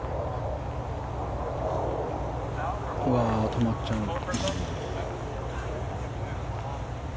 止まっちゃうのか。